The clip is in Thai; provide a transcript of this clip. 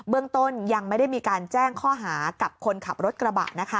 เรื่องต้นยังไม่ได้มีการแจ้งข้อหากับคนขับรถกระบะนะคะ